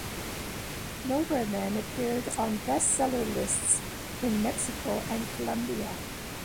"Nowhere Man" appeared on bestseller lists in Mexico and Colombia.